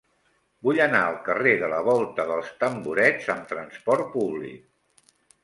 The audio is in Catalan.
Vull anar al carrer de la Volta dels Tamborets amb trasport públic.